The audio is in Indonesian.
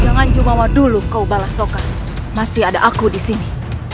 jangan jumawa dulu kau balas soka masih ada aku disini